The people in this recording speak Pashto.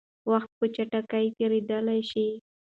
وخت په چټکۍ تېرېدلی شي.